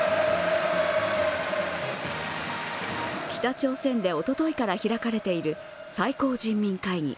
北朝鮮でおとといから開かれている最高人民会議。